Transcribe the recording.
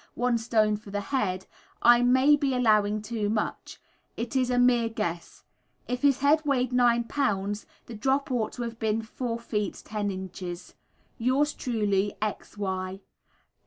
1 stone for the head, I may be allowing too much; it is a mere guess. If his head weighed 9 lbs., the drop ought to have been 4 ft. 10 in. Yours truly, X. Y.